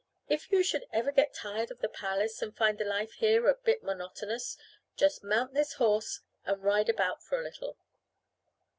"If you should ever get tired of the palace and find the life here a bit monotonous, just mount this horse and ride about for a little."